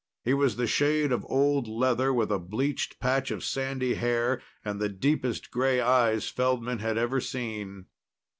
He was the shade of old leather with a bleached patch of sandy hair and the deepest gray eyes Feldman had ever seen.